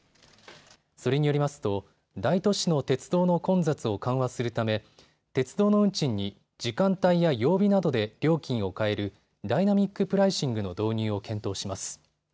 それによりますと大都市の鉄道の混雑を緩和するため鉄道の運賃に時間帯や曜日などで料金を変えるダイナミックプライシングの導入を検討します。